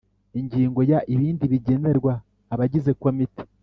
Ingingo ya Ibindi bigenerwa abagize Komite